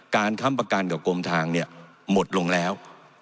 ค้ำประกันกับกรมทางเนี่ยหมดลงแล้ว